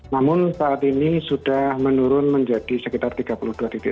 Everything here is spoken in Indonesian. namun saat ini sudah menurun menjadi sekitar tiga puluh dua titik